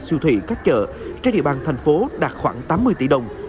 siêu thị các chợ trên địa bàn thành phố đạt khoảng tám mươi tỷ đồng